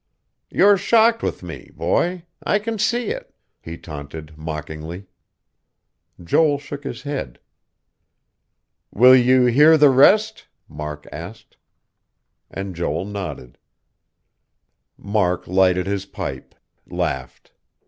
"You're shocked with me, boy. I can see it," he taunted mockingly. Joel shook his head. "Will you hear the rest?" Mark asked; and Joel nodded. Mark lighted his pipe, laughed....